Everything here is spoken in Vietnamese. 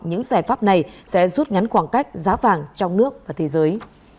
những giải pháp này sẽ rút ngắn khoảng cách giá vàng trong nước và thế giới